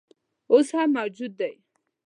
اوس هم موجود دی.